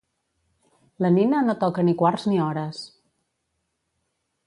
La Nina no toca ni quarts ni hores.